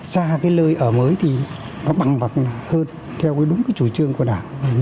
xa cái lơi ở mới thì nó bằng mặt hơn theo đúng cái chủ trương của đảng